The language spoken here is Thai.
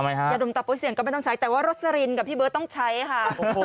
ยาดมตาปุ๊เสียงก็ไม่ต้องใช้แต่ว่ารสลินกับพี่เบิร์ตต้องใช้ค่ะ